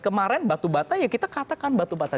kemarin batu bata ya kita katakan batu bata